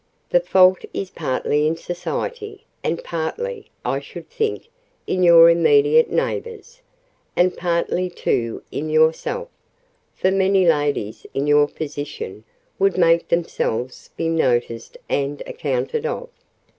"The fault is partly in society, and partly, I should think, in your immediate neighbours: and partly, too, in yourself; for many ladies, in your position, would make themselves be noticed and accounted of.